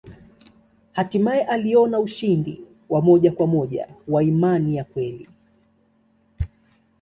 Hatimaye aliona ushindi wa moja kwa moja wa imani ya kweli.